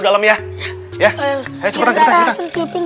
dalam ya ya ayo cepetan cepetan